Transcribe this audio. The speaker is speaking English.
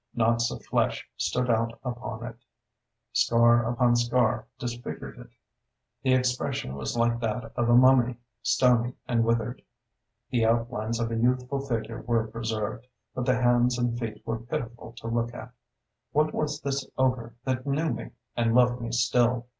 Knots of flesh stood out upon it; scar upon scar disfigured it. The expression was like that of a mummy, stony and withered. The outlines of a youthful figure were preserved, but the hands and feet were pitiful to look at. What was this ogre that knew me and loved me still?